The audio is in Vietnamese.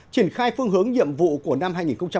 triển khai phương hướng nhiệm vụ của năm hai nghìn một mươi chín